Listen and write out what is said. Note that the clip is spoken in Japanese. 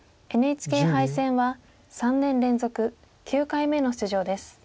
ＮＨＫ杯戦は３年連続９回目の出場です。